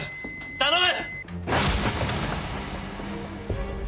頼む！